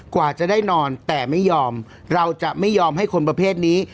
กว่าจะได้นอนแต่ไม่ยอมเราจะไม่ยอมให้คนประเภทนี้